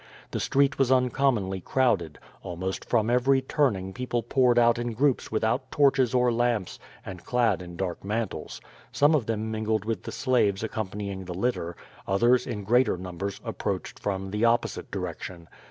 The street was uncommonly crowded; almost from every turning people poured out in groups without torches or lamps and clad in dark mantles. Some of them mingled with the slaves accompanying the litter. Others, in greater numbers, ap proached from the opposite direction.